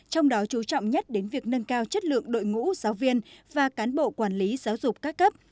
trong đó chú trọng nhất đến việc nâng cao chất lượng đội ngũ giáo viên và cán bộ quản lý giáo dục các cấp